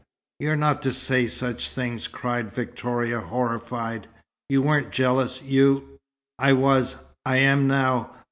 "You're not to say such things," cried Victoria, horrified. "You weren't jealous. You " "I was. I am now.